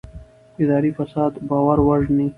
اداري فساد باور وژني